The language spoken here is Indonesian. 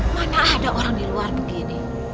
mana ada orang di luar negeri